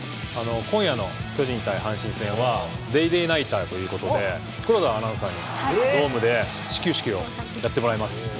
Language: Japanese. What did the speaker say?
今夜の巨人対阪神戦はＤａｙＤａｙ．ナイターということで、黒田アナウンサーにドームで始球式をやってもらいます。